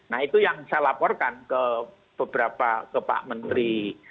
nah itu yang saya laporkan ke beberapa menteri